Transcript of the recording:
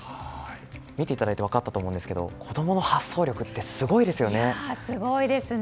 見ていただいて分かったと思うんですが子供の発想力ってすごいですね。